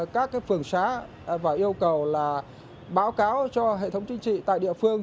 các phường xá và yêu cầu là báo cáo cho hệ thống chính trị tại địa phương